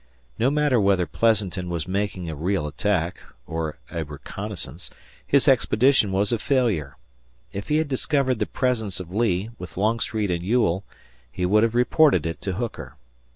No matter whether Pleasanton was making a real attack, or a reconnaissance, his expedition was a failure. If he had discovered the presence of Lee, with Longstreet and Ewell, he would have reported it to Hooker.